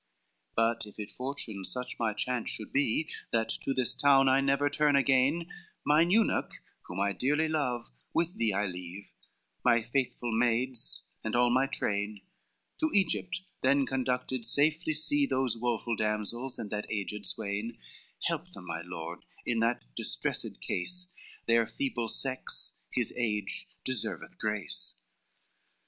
VI "But if it fortune such my chance should be, That to this town I never turn again, Mine eunuch, whom I dearly love, with thee I leave my faithful maids, and all my train, To Egypt then conducted safely see Those woful damsels and that aged swain, Help them, my lord, in that distressed case, Their feeble sex, his age, deserveth grace."